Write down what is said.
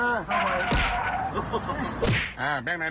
เอาแป้งพันมา